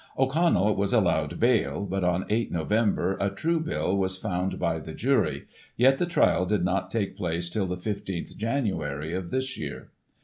0*Connell was allowed bail, but on 8 Nov. a true bill was found by the jury, yet the trial did not take place till the 15th Jan. of this year.